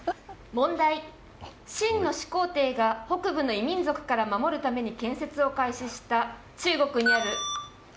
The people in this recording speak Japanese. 問題、秦の始皇帝が北部の異民族から守るために建設を開始した、中国にある。